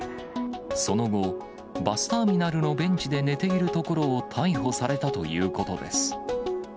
その後、バスターミナルのベンチで寝ているところを逮捕されたということです。